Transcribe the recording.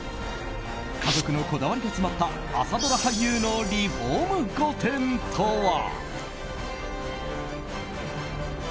家族のこだわりが詰まった朝ドラ俳優のリフォーム御殿とは。